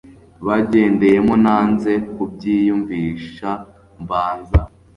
bagendeyemo nanze kubyiyumvisha mbanza